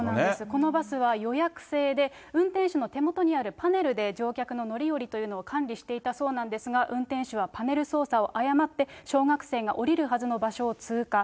このバスは予約制で、運転手の手元にあるパネルで乗客の乗り降りというのを管理していたそうなんですが、運転手はパネル操作を誤って、小学生が降りるはずの場所を通過。